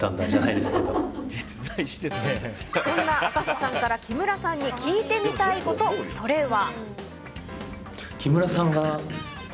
そんな赤楚さんから木村さんに聞いてみたいこと、それは。